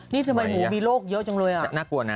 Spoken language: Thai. นี่ทำไมหมูมีโรคเยอะจังเลยอ่ะน่ากลัวนะ